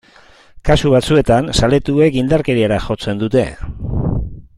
Kasu batzuetan, zaletuek indarkeriara jotzen dute.